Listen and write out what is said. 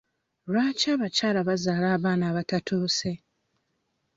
Lwaki abakyala bazaala abaana abatatuuse?